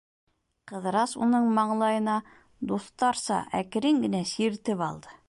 Ҡыҙырас уның маңлайына дуҫтарса әкрен генә сиртеп алды: